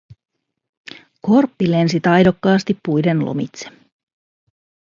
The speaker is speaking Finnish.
Korppi lensi taidokkaasti puiden lomitse